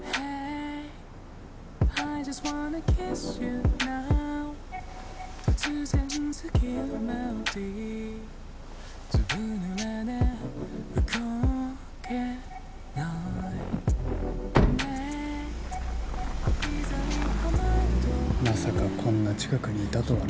まさかこんな近くにいたとはな。